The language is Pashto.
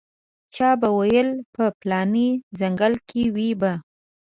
چا به ویل په پلاني ځنګل کې وي به.